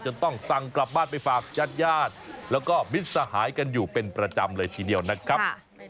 ต้องสั่งกลับบ้านไปฝากญาติญาติแล้วก็มิตรสหายกันอยู่เป็นประจำเลยทีเดียวนะครับ